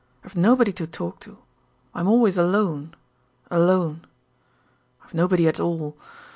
I've nobody to talk to. I'm always alone, alone; I've nobody at all...